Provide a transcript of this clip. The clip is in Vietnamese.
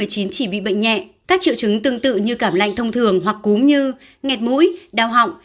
chỉ bị bệnh nhẹ các triệu chứng tương tự như cảm lạnh thông thường hoặc cúm như ngệt mũi đau họng